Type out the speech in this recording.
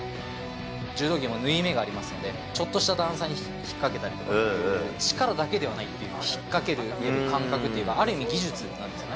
柔道着も縫い目がありますので、ちょっとした段差に引っかけたりとかっていう、力だけではないっていう、引っ掛ける感覚というかある意味、技術なんですね。